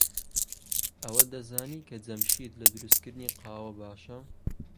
ئەوەت دەزانی کە جەمشید لە دروستکردنی قاوە باشە؟